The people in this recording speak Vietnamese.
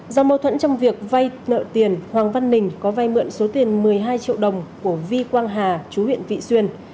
do mâu thuẫn trong việc vay nợ tiền hoàng văn ninh có vai mượn số tiền một mươi hai triệu đồng của vi quang hà chú huyện vị xuyên